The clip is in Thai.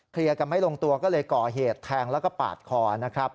กันไม่ลงตัวก็เลยก่อเหตุแทงแล้วก็ปาดคอนะครับ